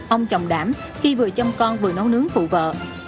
ông chồng đảm khi vừa chăm con vừa nấu nướng phụ vợ